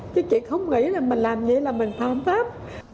chứ chị không nghĩ là mình làm gì là mình phạm pháp